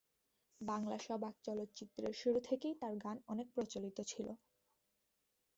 বাংলা সবাক চলচ্চিত্রের শুরু থেকেই তার গান অনেক প্রচলিত ছিল।